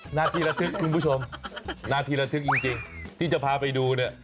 หน้าที่ระทึกคุณผู้ชมหน้าที่ระทึกจริงที่จะพาไปดูเนี่ย